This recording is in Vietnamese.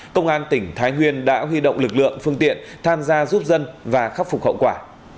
công an tỉnh thái nguyên đã huy động lực lượng phương tiện tham gia giúp dân và khắc phục hậu quả